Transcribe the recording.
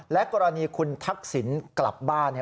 และกรณีคุณทักศิริครับบ้านเนี่ย